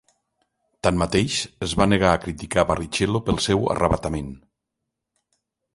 Tanmateix, es va negar a criticar a Barrichello pel seu arravatament.